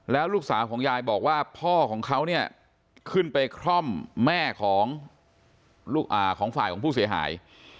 แล้วลูกสาวของยายบอกว่าพ่อของเขาเนี่ยขึ้นไปคร่อมแม่ของฝ่ายของผู้เสียหาย